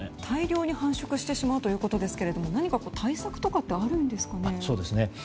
大量に繁殖してしまうということですけども何か対策とかってあるんですかね。